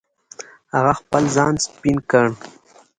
هغه خپل ځان سپین کړ.